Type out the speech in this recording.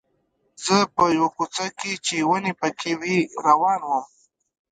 زه په یوه کوڅه کې چې ونې پکې وې روان وم.